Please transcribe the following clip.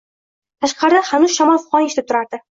Tashqarida xanuz shamol fig'oni eshitilib turardi.